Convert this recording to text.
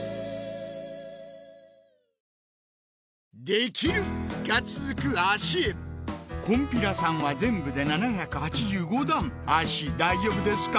できる！が続く脚へこんぴらさんは全部で７８５段脚大丈夫ですか？